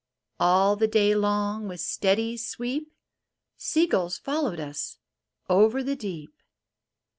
All the day long with steady sweep Seagulls followed us over the deep.